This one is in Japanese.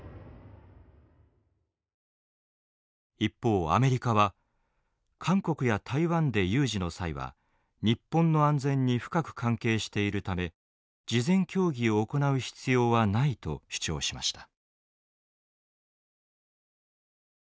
一方アメリカは韓国や台湾で有事の際は日本の安全に深く関係しているため事前協議を行う必要はないと主張しました。